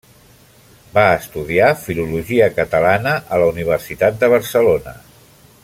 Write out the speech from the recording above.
Va estudiar Filologia Catalana a la Universitat de Barcelona.